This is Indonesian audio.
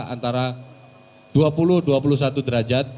antara dua puluh dua puluh satu derajat